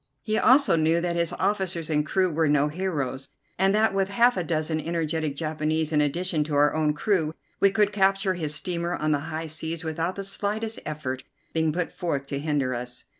He also knew that his officers and crew were no heroes, and that with half a dozen energetic Japanese in addition to our own crew we could capture his steamer on the high seas without the slightest effort being put forth to hinder us.